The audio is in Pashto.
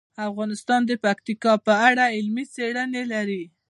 افغانستان د پکتیکا په اړه علمي څېړنې لري.